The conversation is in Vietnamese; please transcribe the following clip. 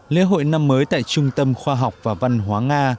lễ hội năm mới tại trung tâm khoa học và văn hóa nga